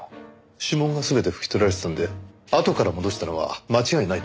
指紋が全て拭き取られてたんであとから戻したのは間違いないと思いますが。